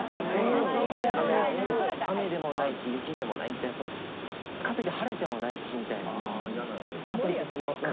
雨でもないし雪でもないみたいなかといって晴れてもないしみたいな。かといってそのなんか。